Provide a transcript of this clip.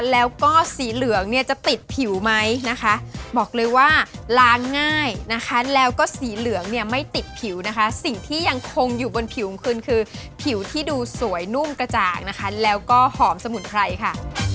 แล้วก็สีเหลืองเนี่ยจะติดผิวไหมนะคะบอกเลยว่าล้างง่ายนะคะแล้วก็สีเหลืองเนี่ยไม่ติดผิวนะคะสิ่งที่ยังคงอยู่บนผิวของคุณคือผิวที่ดูสวยนุ่มกระจ่างนะคะแล้วก็หอมสมุนไพรค่ะ